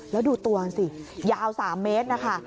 แล้วดูตัวสิยาว๓เมตรนะคะ